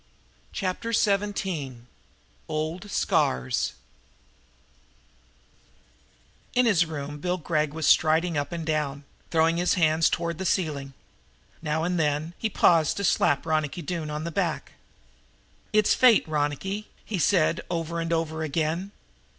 Chapter Seventeen Old Scars In his room Bill Gregg was striding up and down, throwing his hands toward the ceiling. Now and then he paused to slap Ronicky Doone on the back. "It's fate, Ronicky," he said, over and over again.